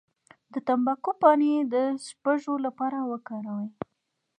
د تمباکو پاڼې د سپږو لپاره وکاروئ